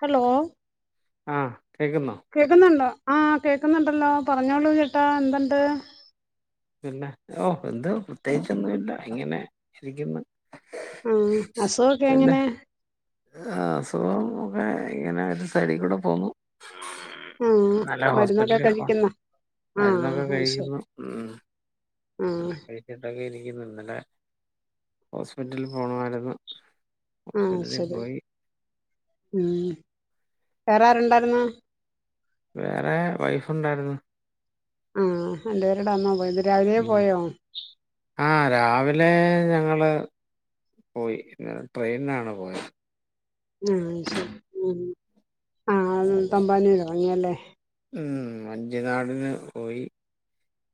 Hello ആ കേക്കുന്നുണ്ടോ ആഹ് കേക്കുന്നുണ്ടല്ലോ പറഞ്ഞോളൂ ചേട്ടാ എന്ത്ണ്ട് പിന്ന ഓ എന്ത് പ്രത്യേകിച്ചൊന്നും ഇല്ല ഇങ്ങനെ ഇരിക്കുന്നു ആ അസുഖ ഒക്കെ പിന്നെ എങ്ങനെ ആ അസുഖം ഒക്കെ ഇങ്ങനെ ഒരു സൈഡക്ക്ൂടെ പോന്നു ആഹ് നല്ല മരുന്നൊക്കെ ഹോസ്പിറ്റലില് പോണം കഴിക്കുന്ന ആഹ് മരുന്നൊക്കെ കഴിക്കുന്നു ഉം ആ അങ്ങനെ കഴിച്ചിട്ടൊക്കെ ഇന്നലെ ഹോസ്പിറ്റലിൽ പോണമായിരുന്നു ആഹ് ഹോസ്പിറ്റലിൽ ശരി പോയി ഉം വേറെ ആരുണ്ടായിരുന്ന് വേറെ വൈഫുണ്ടായിരുന്നു ആഹ് എന്റെ [unintelligible] അന്നാ പോയത് രാവിലെ ഉം പോയോ ആ രാവിലെ ഇന്നലെ ഞങ്ങള് പോയി ട്രെയിന് ആണ് പോയത് ആ അതെ. തമ്പാനൂര് ഇറങ്ങിയല്ലേ ഉം അഞ്ചേ നാടിന് പോയി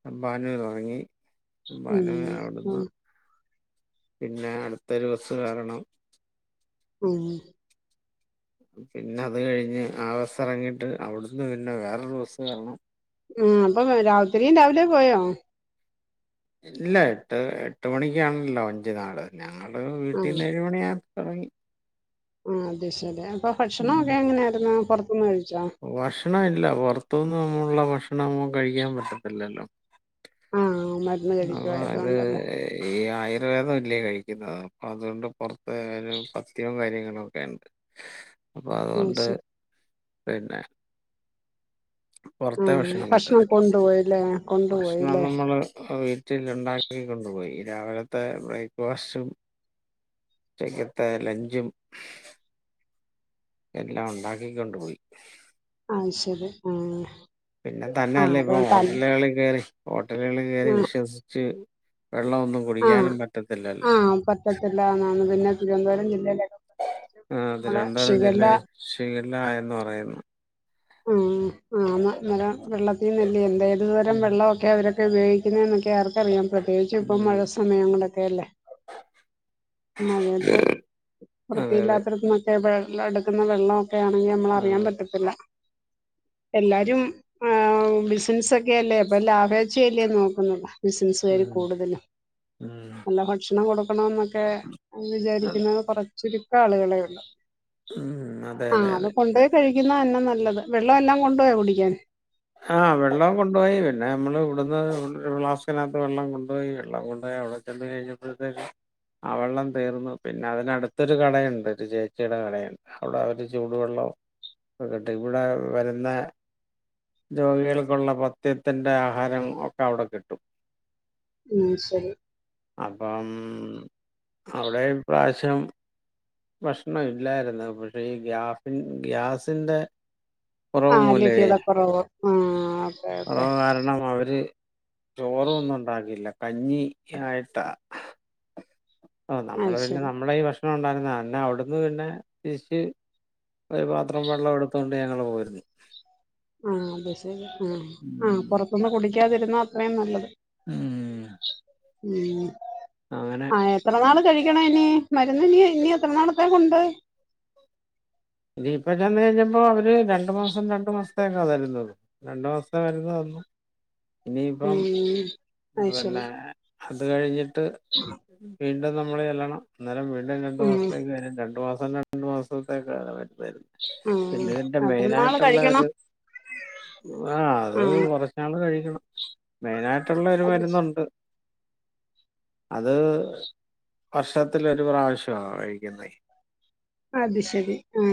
തമ്പാനൂരിറങ്ങി ഉം തമ്പാനൂർ അവിടുന്ന് ഉം പിന്നെ അട്തൊരു വസ്സ് കാരണം ഉം പിന്നെ അത് കഴിഞ്ഞ് ആ ബസ്സ് ഇറങ്ങിട്ട് അവിടുന്ന് പിന്നെ വേറൊരു ബസ്സ് കേറണം ഉം അപ്പൊ രാത്രിയും രാവിലെ പോയോ ഇല്ല എട്ട് എട്ട് മണിക്കാണല്ലോ അഞ്ചു നാള് ഞങ്ങള് വീട്ടിന്ന് ഏഴ മണിയാ ഒറങ്ങി ആ അതെ ശരി അപ്പൊ ഭക്ഷണൊക്കെ ഉം എങ്ങനെയായിരുന്നു പുറത്തുന്ന് കഴിച്ചോ ഭക്ഷണം ഇല്ല പുറത്തുന്ന് നമ്മളുള്ള ഭക്ഷണം കഴിക്കാൻ പറ്റത്തില്ലല്ലോ ആ അതൊ ഇത് ഈ ആയിരം പേദം ഇല്ലേ കഴിക്കുന്നത് അപ്പൊ അതുകൊണ്ട് പുറത്ത് ഒരു പത്യവും കാര്യങ്ങളും ഒക്കെ ഉണ്ട് അപ്പൊ അത് അതുകൊണ്ട് ശരി പിന്നെ പുറത്തെ ആഹ് ഭക്ഷണം പറ്റത്തില്ല കൊണ്ടുപോയില്ലേ ഭക്ഷണം കൊണ്ടുപോയില്ലേ നമ്മള് വ ഉണ്ടാക്കി കൊണ്ടുപോയി രാവിലത്തെ ബ്രേക്ക്ഫാസ്റ്റും ഉച്ചെക്കത്തെ ലഞ്ചും എല്ലാം ഉണ്ടാക്കിക്കൊണ്ടുപോയി ആ ശരി ആ പിന്നെ തന്നെയല്ലേ ഇപ്പൊ ഹോട്ടലുകളിൽ കേറി ഹോട്ടലുകളിൽ കേറി ആഹ് വിശ്വസിച്ച് വെള്ളമൊന്നും ആഹ് കുടിക്കാനും പറ്റത്തില്ലല്ലോ ആഹ് പറ്റത്തില്ല എന്നാണ് പിന്നെ തിരുവനന്തപുരം ജില്ലയിലൊക്കെ ആ അത് നമ്മളെ രണ്ടറം ജില്ല ഷിഗല്ല [unintelligible] എന്ന് പറയുന്നു ആ [unintelligible] വെള്ളത്തീന്നല്ലേ എന്ത ഏതു തരം ഉം വെള്ളൊക്കെ അവര് ഉപയോഗിക്കുന്ന എന്നൊക്കെ ആർക്കറിയാം പ്രത്യേകിച്ചും ഇപ്പ മഴ സമയങ്ങളൊക്കെ അല്ലേ മഴയത്ത് ഉം അതെ അതെ വൃത്തിയില്ലാത്തട്ത് ന്നൊക്കെ വെള്ള എടുക്കുന്ന വെള്ളം ഒക്കെ ആണെങ്കി നമ്മള് ആ അറിയാൻ പറ്റത്തില്ല [unintelligible] എല്ലാരും ആ ബിസിനസ്സ ഒക്കെ അല്ലേ അപ്പൊ ലാഭേ്ചയല്ലേ നോക്കുന്നത് ബിസിന വ ഉം കൂടുതലും ഉം നല്ല ഭക്ഷണം കൊടുക്കണം എന്നൊക്കെ അന്ന് അത് വിചാരിക്കുന്നത് കൊറച്ചുരുക്കം ആളുകളെ ഉള്ള ഉം അതെ ആഹ അതെ അത് അതെ കൊണ്ടുപോയി കഴിക്കുന്ന തന്നെ നല്ലത് വെള്ളം എല്ലാം കൊണ്ടുപോയാ കുടിക്കാൻ ആഹ് വെള്ളം കൊണ്ടുപോയി പിന്നെ നമ്മള് ഇവിടുന്ന് ഫ്ലാസ്നകത്ത് വെള്ളം കൊണ്ടുപോയി വെള്ളം കൊണ്ട്പോയി ടെ ച കഴിഞ്ഞപ്പോഴത്തേക്ക് ആ വെള്ളം തീർന്നു പിന്നെ അതിനടുത്തൊരു കടയുണ്ട് ഒരു ചേച്ചിയുടെ കടയുണ്ട് അവിടെ അവര് ചൂടുവെള്ളം ഇവിടെ വരുന്ന ജോഗികൾക്കുള്ള പത്്യത്തിന്റെ ആഹാരം ഒക്കെ അവിടെ കിട്ടും ഉം ശരി അപ്പം അവിടെഈ പ്രാവശ്യം ഭക്ഷണം ഇല്ലായിരുന്നു പക്ഷേ ഈ ഗ്യാഫിൻ ഗ്യാസിറെ കുറവ് ആ മൂലമേ ലഭ്യത കുറവ് ആ ഓക്കെ ഓക്കെ കുറവ് കാരണം അവര് ചോറും ഒന്നും ഉണ്ടാക്കില്ല കഞ്ഞി ആയിട്ട് ഓ ആ നമ്മള് പിന്നെ ശരി നമ്മള ഈ ഭക്ഷണം ഉണ്ടായിരുന്ന എന്നന്നെ അവിടുന്ന് പിന്നെ തിരിച്ച് ഒരു പാത്രം വെള്ളം എടുത്തൊണ്ട് ഞങ്ങള് പോയിരുന്നു ആ അത് ശരി ആ ആ് ഉം പുറത്തുന്ന് കുടിക്കാതിരുന്ന അത്രയും നല്ലത് ഉം ഉം അങ്ങനെ ആ എത്ര നാള കഴിക്കണ ഇന മരുന്ന് ഇനി ഇനി എത്ര നടത്താൻ കൊണ്ട് ഇപ്പൊ ചെന്ന കഴിഞ്ഞപ്പോ അവര് രണ്ടു മാസം രണ്ടു മാസത്തേക്കാ തരുന്നത് രണ്ടു മാസത്തേ വരുന്ന ഒന്നും ഇനിയിപ്പം ഉം അത് ശരി പിന്നെ അത് കഴിഞ്ഞിട്ട് വീണ്ടും നമ്മള് ചല്ലണം അന്നരം വീണ്ടും രണ്ടു ഉം മാസത്തേക്ക് രണ്ടു മാസം രണ്ടു മാസത്തേക്ക് ആ വരും ഉം പിന്നെ ഇതിന്റെ എത്ര മെയിൻ നാള് ആായിട്ടുള്ള കഴിക്കണം ഒരു ആഹ അത് ആ കുറച്ചനാള് കഴിക്കണം മെയിന ആായിട്ടുള്ള ഒരു അത് മരുന്നുണ്ട് അത് വർഷത്തി ഒരു പ്രാവശ്യമാ കഴിക്കുന്ന അത് ശരി ആ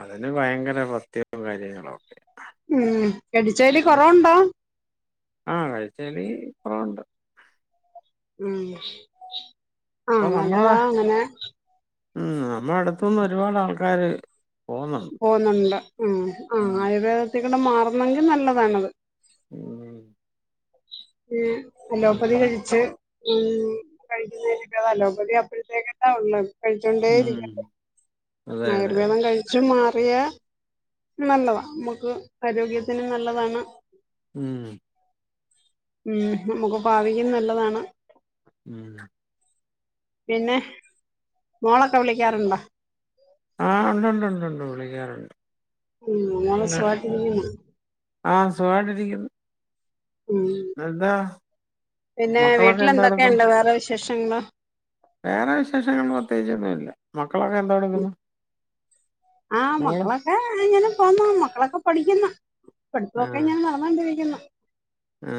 അതിന് ഭയങ്കര പത്യവും കാര്യങ്ങളൊക്കെ ഉം എടിച്ചല് കൊറവുണ്ടോ ആഹ കഴിച്ചല് കൊറവുണ്ട് ഉ ആഹ ഇപ്പൊ നമ്മളെ നല്ലതാ അങ്ങനെ ഉം നമ്മുടെ അടുത്തന്ന് ഒരുപാട് ആൾക്കാാര് പോുന്നുണ്ട് ആ ആ ഉം ആയുർവേദത്തിക്കൂടെ മാറുന്നെങ്കിൽ നല്ലതാണത് ഉം ഈ അലോപ്പതി അങ്ങനെ കഴിച്ച് ഉ കഴിക്കുന്നരിക്കതല്ലോ പതി അപ്പഴത്തേക്കട്ടാ ഉള്ളത് കഴിച്ചൊണ്ടേ ഉം ഇരിക്കെ അതെ അതെ അതെ ആയുർവേദം കഴിച്ചു മാറിയ നല്ലതാണ് നമുക്ക് ആരോഗ്യത്തിനും നല്ലതാണ് ഉം ഉം നമ്മുക്ക് ഭാവിക്കും നല്ലതാണ് ഉം പിന്നെ മോളൊക്കെ വിളിക്കാറുണ്ടോ ആഹ് ഉണ്ട്ണ്ട് ഉണ്ട്ണ്ട് വിളിക്കാറുണ്ട് ഉം മോള് സുഖായിട്ടിരിക്കുന്നു ആഹ സുഗയിരിക്കുന്നു ഉം അതെന്താ പിന്നെ വീട്ടില എന്തൊക്കെയുണ്ട് വേറെ വിശേഷങ്ങളോ വേറെ വിശേഷങ്ങ പ്രത്യേകിച്ചു ന്നും ഇല്ല മക്കളൊക്കെ എന്താ കൊടുക്കുന്നു ആ മക്കളൊക്കെ ഇങ്ങനെ പോന്ന മക്കളൊക്കെ പഠിക്കുന്നു പഠി ആ പ്പൊക്കെ ഞാൻ നടന്നോണ്ടിരിക്കുന്നു ആ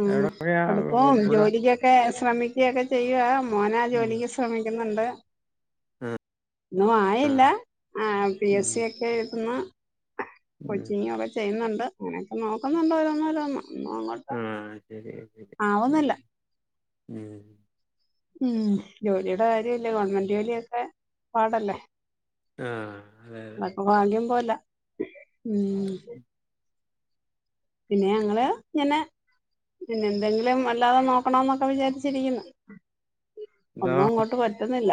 ഉ എവിടൊക്കെയാ കുടുപ്പം ഇവിടെ ജോലിക്കൊക്കെ ശ്രമിക്കയൊക്കെ ചെയ്യുവ മോനാ ആ ഉം ജോലിക്ക് ശ്രമിക്കുന്നുണ്ട് ആ ഒന്നും ആ ആയില്ല ആ പി എസ് ഉം സി ഒക്കെ ഇന്ന് ഉം കൊച്ചിങ്ങ ഒക്കെ ചെയ്യുന്നുണ്ട് അങ്ങനെയൊക്കെ നോക്കുന്നുണ്ട്ോ രോന്ന രോന്നോ ഒന്നും അങ്ങോട്ട് ആഹ ശരി ശരി ആവുന്നില്ല ഉ ഉം ജോലിയുടെ കാര്യല്ലേ ഗവൺമെന്റ് ജോലിയൊക്കെ പാടല്ലേ ആഹ അതെ അതെ പോല ഉം പിന്നെ ഞങ്ങള് ഇങ്ങനെ പിന്നെ എന്തെങ്കിലും വല്ലാതെ നോക്കണോന്നൊക്കെ വിചാരിച്ചിരിക്കുന്നു എന്താ ഒന്നും അങ്ങോട്ട് പറ്റുന്നില്ല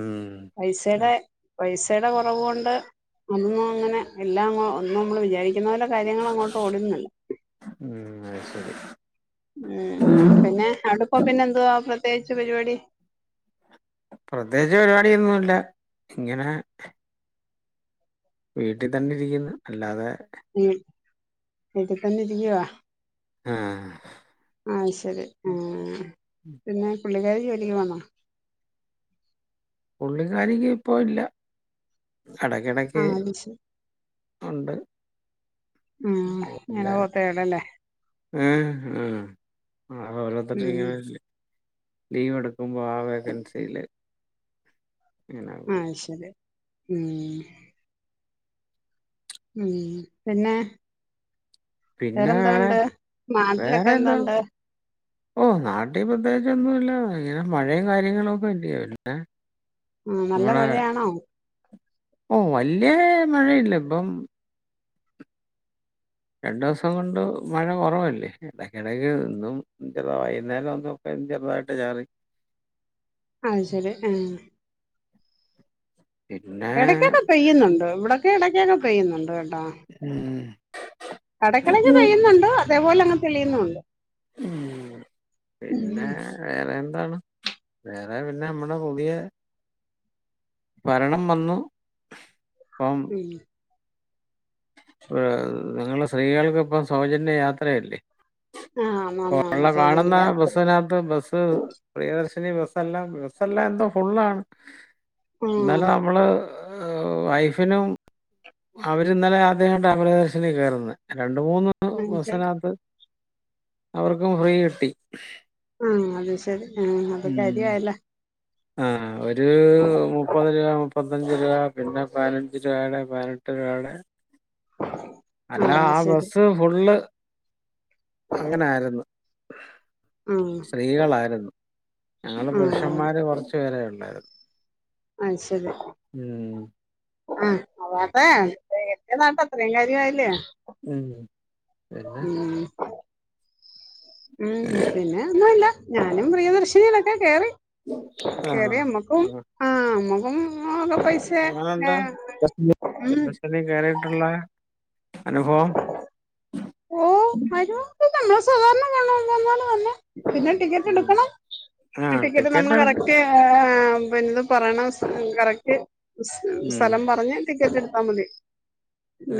ഉം ഉം പൈസയുടെ പൈസയുടെ കുറവ കൊണ്ട് ഒന്നും അങ്ങനെ എല്ലാം ഒ നമ്മ വിചാരിക്കുന്ന കാര്യ ഉം ശരി ഉം പിന്നെ അവിടെപ്പ പിന്നെ എന്തുവാ പ്രത്യേകിച്ച് പരിപാടി പ്രത്യേകിച്ച് പരിപാടിൊന്നുംല്ല ഇങ്ങനെ വീട്ടിൽ തന്നെ ഇരിക്കുന്നു അല്ലാതെ ഉ വീട്ടിൽ തന്നെ ഇരിക്കുവാ ആഹ്. ആഹ ശരി ആ പിന്നെ പുള്ളിക്കാരീ ജോലിക്ക് പോന്നോ പുള്ളി കാരിക്ക്‌ ഇപ്പ ഇല്ല കടക്കിടക്ക് ആഹ് അത് ശരി ഉണ്ട് ഉം ഇങ്ങനെ പോത്തേടല്ലേ ആഏ ആ ഓരോരുത്തടെ ഉം ഇങ്ങനെല്ല ലീവ് എടുക്കുമ്പോ ആ വേക്കൻസിയില് ഇങ്ങനെ പോകും. ആഹ് ശരി ഉം ഉം പിന്നെ പിന്നെ വേറെന്തോണ്ട് വേറെ നാട്ടിലൊക്കെ എന്തോണ്ട് ഓ നാട്ടീ പ്രത്യേകിച്ചൊന്നുമ ഇല്ല ഇങ്ങനെ മഴയും കാര്യങ്ങളും ഒക്കെ ഇല്ലേ വിടെ ആ നല്ല മഴയാണോ ഓ വല്യ മഴയില്ല ഇപ്പം രണ്ട ദിവസം കൊണ്ട് മഴ കുറവല്ലേ ഇടക്കിടക്ക് ഇന്നും വൈകുന്നേരം വന്നും ചെറതായിട്ട ചാറി അത് ശരി ആഹ് പിന്നെ ഇടയ്ക്കൊക്കെ പെയ്യുന്നുണ്ട് ഇവിടൊക്കെ ഇടയ്ക്കൊക്കെ പെയ്യുന്നുണ്ട് ഉം ഇടക്ക് ഇടക്ക് പെയ്യുന്നുണ്ട് അതേപോലെ അങ്ങ് തെളിയുന്നുണ്ട് ഉം പിന്നെ ഉം വേറെ എന്താണ് വേറെ പിന്നെ നമ്മടെ പുതിയ ഭരണം വന്നു ഉം നിങ്ങള്ൾ സ്ത്രീകൾക്ക് ഇപ്പം സൗജന്യ യാത്രയല്ലേ ആഹ് ആന്ന് ആന്ന് ള്ള ആന്ന് കാണുന്ന സൗജന്യയാത്ര ബസ്സിനകത്ത് ബസ് പ്രിയശ നി ബസല്ലാം വിസല്ലാം എന്തോ ഫുള്ളാണ് എന്നാല ആഹ് നമ്മള് വൈഫിനും അവര് ഇന്നലെ ആദ്യട്ട് അമലദർശിനി കയറുന്നത് രണ്ട രണ്ട് അത് മൂന്ന്ബസ് ശരി നകത്ത് അവർക്കും ഫ്രീ കിട്ടി ആ അത് ശരി ആ അത് കാര്യയല്ലോ ആ ഒരു മുപ്പത് രൂപ മുപ്പത്തഞ്ച് രൂപ പിന്നെ പതി അഞ്ച് രൂപയുടെ പതിനെട്ട് രൂപാടെ അല്ല ആഹ് അത് ആ ശരി ബസ്സ് ഫുള് അങ്ങനൊആയിരുന്നു ആഹ് സ്ത്രീകളായിരുന്നു ഞങ്ങള് ആഹ് പുരുഷന്മാര് കുറച്ചു പേരെ ഉള്ളായിരുന്നു ആഹ് ശരി ആ [unintelligible] നാട്ട അത്രയും കാര്യആയില്ലേ ഉം. പിന്നെ? ഉം ഉം പിന്നെ ഒന്നുവില്ല ഞാനും പ്രിയദർശിനിയിലൊക്കെ കേറി ആഹ്. കേറിയ നമ്മക്കും ആ നമ്മക്കും എങ്ങനെ ഉണ്ട്എക്സ്പീരിയൻസ് ഉം പ്രിയദർശിനി കേറിയിട്ടുള്ള അനുഭവം ഓ [unintelligible] നമ്മള് സാദാരണ പോലെ തന്നെ [unintelligible] പിന്നെ ടിക്കറ്റ് ഉം. എടുക്കണം ആഹ് ടിക്കറ്റ് നമ്മൾ എടുക്ക കറക്റ്റ് എ അപ്പൊ ഇത് പറയണം കറക്റ്റ് ഉം. സ്ഥലം പറഞ്ഞ് ടിക്കറ്റ് എടുത്താ മതി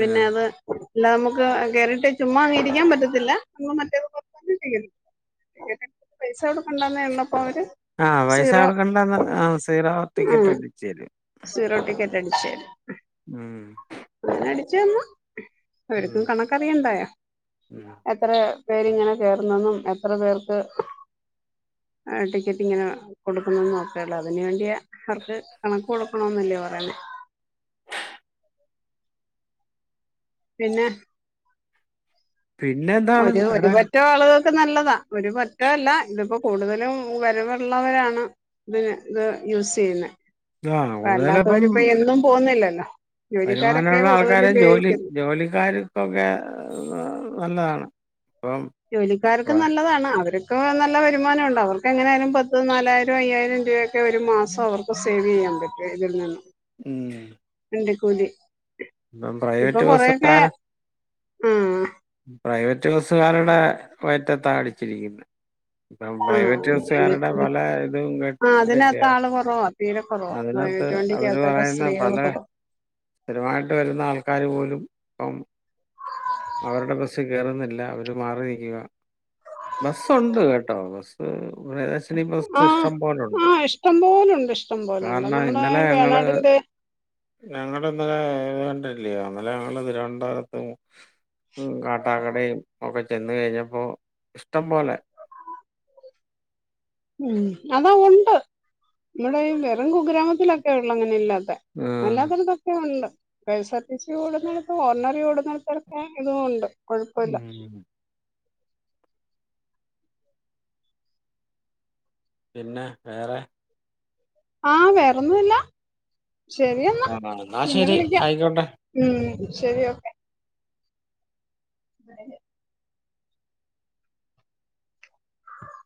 പിന്നെ അത് എല്ല നമുക്ക് കേറിട്ട് ചുമ്മാ അങ്ങ് ഇരിക്കാൻ പറ്റത്തില്ല നമ്മൾ മറ്റേത് പോലെ തന്നെ ചെയ്യണം പൈസ കൊടുക്കണ്ടന്നെ ഉള്ളൂ അപ്പൊ അവര് ആ പൈസ സീറോ കൊടുക്കണ്ട ആ സീറോ ടിക്കറ്റ് അടിച്ച് തരും സീറോടിക്കറ്റ് അടിച്ച് തരും ഉം. അങ്ങനെ അടിച്ച് തന്ന് അവർക്കും ഉം. കണക്കറിയുണ്ടായോ ഉം. എത്ര പേരിങ്ങനെ കേർന്നന്നെന്നും എത്ര പേർക്ക് ടിക്കറ്റ് ഇങ്ങനെ കൊടുക്കുന്നുന്ന്‌ ക്കെയുള്ള അതിന് വേണ്ടിയ അവർക്ക് കണക്ക് കൊടുക്കണോന്നല്ലേ പറയുന്നെ പിന്നെ പിന്നെന്താണ് ഒരു വേറെ? ഒരുപറ്റം ആള്കള് നല്ലതാ ഒരു പറ്റല്ല ഇതിപ്പോ കൂടുതലും വരവള്ളവരാണ് ഇതിന് ഇത് യൂസ് ചെയ്യുന്ന ആഹ് അപ്പ കൂടുതലിപ്പം അല്ലാത്തവര് ഇപ്പൊ എന്നും പോന്നില്ലല്ലോ വരുമാനമുള്ള ആൾക്കാരെ ജോലി ഉപയോഗിക്കുന്നത് ജോലിക്കാർക്കൊക്കെ നല്ലതാണ് ഇപ്പം ജോലിക്കാർക്ക് പ്ര നല്ലതാണ് അവര് ക്കൊ ഒ നല്ല വരുമാന്വണ്ട് അവർക്ക് എങ്ങനെ ആയാലും പത്ത് നാലായിരം അയ്യായിരം രൂവെക്ക് ക്കെ ഒരു മാസം അവർക്ക് സേവെയ്യാൻ പറ്റും ഇതിൽ നിന്നു ഉം വണ്ടികൂലി ഇപ്പം ഇപ്പൊ പ്രൈവറ്റ് കൊറേക്കെ ആഹ് ഉം പ്രൈവറ്റ് ബസ്സുകാരുടെ വയറ്റത്താ അടിച്ചിരിക്കുന്നെ ഇപ്പം പ്രൈവറ്റ് ബസ്സുകാരുടെ ആഹ് പല ഇതും ആ കണ്ടില്ലെ അതിനകത്ത് ആള് കുറവാ തീരെ കുറവാ അതിന അത്ത് പ്രൈവറ്റ് അവര് വണ്ടിക്കകത്തൊക്കെ പറയുന്ന സ്ത്രീകള് പല കുറവാ സ്ഥിരവായിട്ട് വരുന്ന ആൾക്കാര് പോലും ഇപ്പം അവരുടെ ബസ് കേറുന്നില്ല അവര് മാറി നിക്കുക ബസ്സുണ്ട് കെട്ടൊ ബസ് [unintelligible] പ്പോ ബസ് ആഹ് ഇഷ്ടം പോലുണ്ട് ആഹ് ഇഷ്ടം പോലുണ്ട് ഇഷ്ടം പോലുണ്ട് കാരണം നമ്മുടെ ഇന്നലെ ഞങ്ങള് വയനാടിന്റെ ഞങ്ങള് ഇന്നലെ ഇന്നലെ ഞങ്ങള് തിരുവനന്തോരത്തും കാട്ടാകട യും ഒക്കെ ചെന്ന് കഴിഞ്ഞപ്പോ ഇഷ്ട്ടം പോലെ ഉം അതാ ഒണ്ട് നമ്മുടെ ഈ വെറും കുഗ്രാമത്തിലൊക്കെ ഉള്ളൂ അങ്ങനില്ലാതെ ത്തെ ആഹ് അല്ലാത്തടുത്ത് ഒക്കെ ഉണ്ട്. K S R T C ഓടുന്നടുത്ത് ഓർഡിനറി ഓടുന്നടുത്തക്കെ ഇതും ഒണ്ട് കൊഴപ്പോല്ല ഉം പിന്നെ വേറെ ആ വേറെന്നുംല്ല ശരി എന്നാ ആ എന്നാ പിന്നെ ശരി വിളിക്കാം ആയിക്കോട്ടെ ഉം ശരി ഓക്കെ അതെ